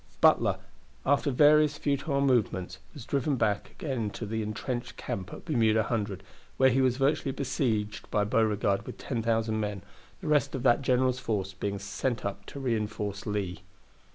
Butler, after various futile movements, was driven back again to his intrenched camp at Bermuda Hundred, where he was virtually besieged by Beauregard with 10,000 men, the rest of that general's force being sent up to reinforce Lee.